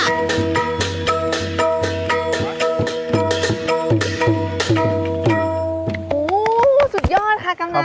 โอ้โหสุดยอดค่ะกำนัน